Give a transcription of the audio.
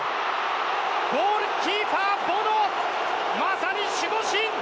ゴールキーパー、ボノまさに守護神！